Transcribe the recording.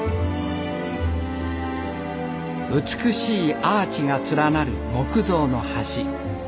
美しいアーチが連なる木造の橋。